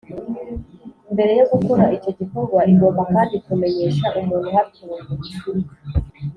Mbere yo gukora icyo gikorwa Igomba kandi kumenyesha umuntu uhatuye